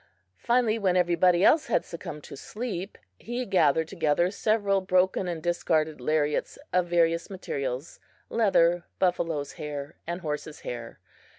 Finally, when everybody else had succumbed to sleep, he gathered together several broken and discarded lariats of various materials leather, buffalo's hair and horse's hair.